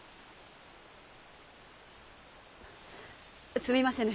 すみませぬ。